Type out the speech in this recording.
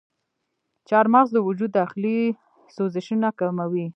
چارمغز د وجود داخلي سوزشونه کموي.